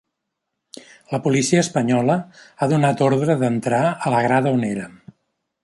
La policia espanyola ha donat ordre d’entrar a la grada on érem.